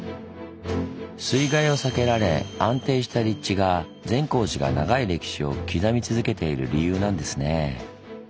水害を避けられ安定した立地が善光寺が長い歴史を刻み続けている理由なんですねぇ。